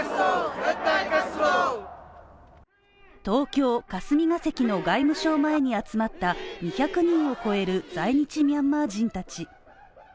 東京・霞が関の外務省前に集まった２００人を超える在日ミャンマー人たち。